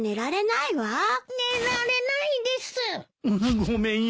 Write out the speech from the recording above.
ごめんよ。